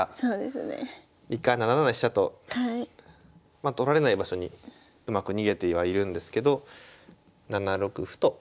まあ取られない場所にうまく逃げてはいるんですけど７六歩と。